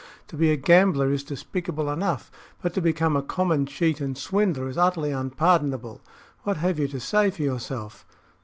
To be a gambler is despicable enough, but to become a common cheat and swindler is utterly unpardonable. What have you to say for yourself?"